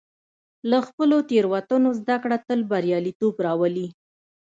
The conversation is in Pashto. له خپلو تېروتنو زده کړه تل بریالیتوب راولي.